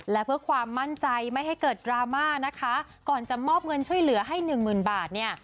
และเพื่อความมั่นใจไม่ให้เกิดดราม่านะคะก่อนจะมอบเงินช่วยเหลือให้หนึ่งหมื่นบาทเนี่ย